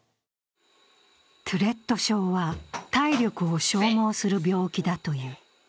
トゥレット症は体力を消耗する病気だという。